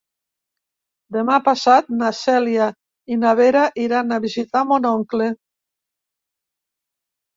Demà passat na Cèlia i na Vera iran a visitar mon oncle.